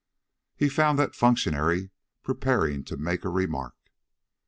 He found that functionary preparing to make a remark.